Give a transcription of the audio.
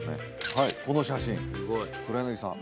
はいこの写真黒柳さん